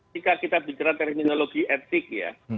jika kita bicara terminologi etik ya